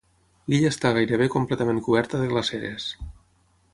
L'illa està gairebé completament coberta de glaceres.